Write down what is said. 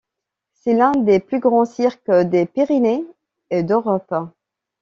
C'est l'un des plus grands cirques des Pyrénées et d'Europe.